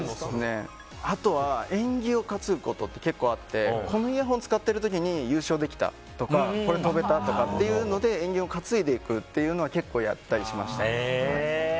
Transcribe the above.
あとは縁起を担ぐことって結構あってこのイヤホンを使ってる時に優勝できたとかこれ跳べたみたいなので縁起を担いでいくっていうのは結構やったりしました。